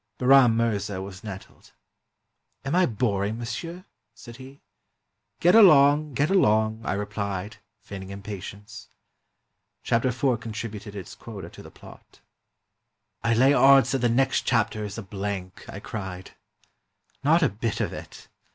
Bahram Mirza was nettled. "Am I boring monsieur?" said he. "Get along — get along!" I replied, feigning im patience. Chapter rv contributed its quota to the plot. "I lay odds that the next chapter is a blank!" I cried. Not a bit of it